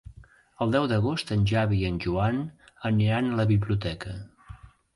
El deu d'agost en Xavi i en Joan aniran a la biblioteca.